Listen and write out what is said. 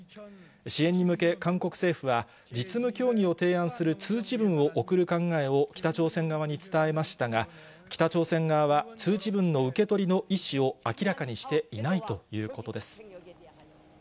支援に向け、韓国政府は、実務協議を提案する通知文を送る考えを北朝鮮側に伝えましたが、北朝鮮側は通知文の受け取りの意思を明らかにしていないということです。